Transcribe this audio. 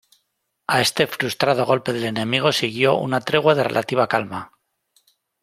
A este frustrado golpe del enemigo siguió una tregua de relativa calma.